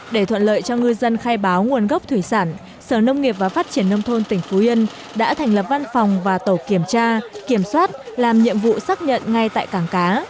để thuận lợi cho ngư dân khai báo nguồn gốc thủy sản sở nông nghiệp và phát triển nông thôn tỉnh phú yên đã thành lập văn phòng và tổ kiểm tra kiểm soát làm nhiệm vụ xác nhận ngay tại cảng cá